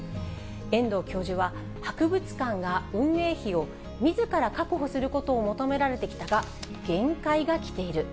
遠藤教授は、博物館が運営費をみずから確保することを求められてきたが、限界が来ている。